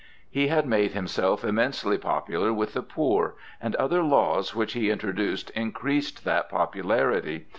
He had made himself immensely popular with the poor, and other laws which he introduced increased that popularity.